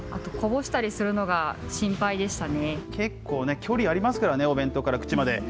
距離ありますからね、お弁当から口まで。